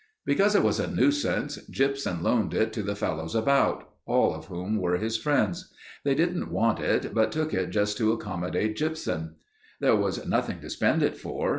"Because it was a nuisance, Gypsum loaned it to the fellows about, all of whom were his friends. They didn't want it but took it just to accommodate Gypsum. There was nothing to spend it for.